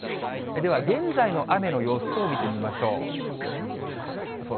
では現在の雨の様子を見てみましょう。